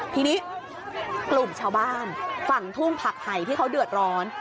ทีนี้กลุ่มชาวบ้านฝั่งทุ่งผักไห่ที่เขาเดือดร้อน